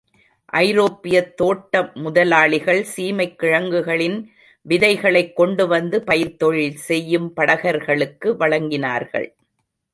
ஐரோப்பியத் தோட்ட முதலாளிகள் சீமைக் கிழங்குகளின் விதைகளைக் கொண்டுவந்து பயிர்த்தொழில் செய்யும் படகர்களுக்கு வழங்கினர்கள்.